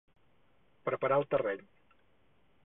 Preparar el terreny.